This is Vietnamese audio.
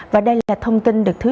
và đây là thông tin được thưa quý vị